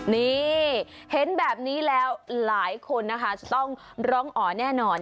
นี่เห็นแบบนี้แล้วหลายคนนะคะจะต้องร้องอ๋อแน่นอน